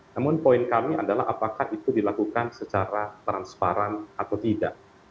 namun poin kami adalah apakah itu dilakukan secara transparan atau tidak